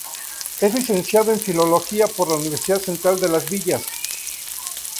Es licenciado en Filología por la Universidad Central de Las Villas.